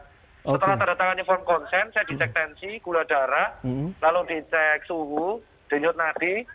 setelah tanda tangan inform konsen saya dicek tensi gula darah lalu dicek suhu denyut nadi